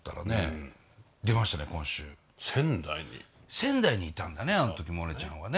仙台にいたんだねあの時モネちゃんはね。